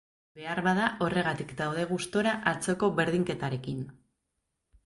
Beharbada horregatik daude gustura atzoko berdinketarekin.